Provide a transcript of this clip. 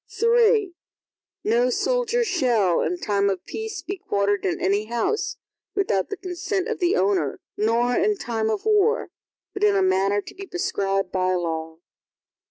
III No soldier shall, in time of peace be quartered in any house, without the consent of the owner, nor in time of war, but in a manner to be prescribed by law.